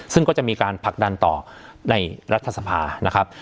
ซึ่งก็จะมีการผลักดันต่อในรัฐสภานะครับ